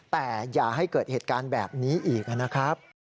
แต่อย่าให้เกิดเหตุการณ์แบบนี้อีกนะครับ